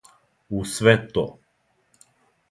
У све то.